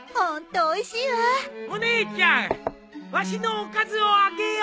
お姉ちゃんわしのおかずをあげよう！